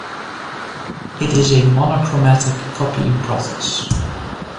It is a monochromatic copying process.